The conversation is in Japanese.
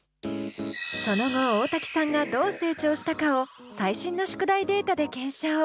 その後大瀧さんがどう成長したかを最新の宿題データで検証！